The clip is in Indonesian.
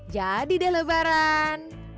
jadi deh lebaran